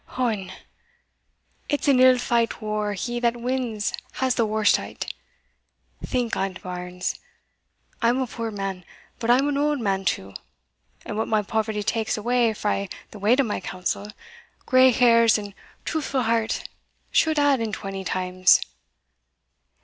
Ohon! it's an ill feight whar he that wins has the warst o't. Think on't, bairns. I'm a puir man but I'm an auld man too and what my poverty takes awa frae the weight o' my counsel, grey hairs and a truthfu' heart should add it twenty times.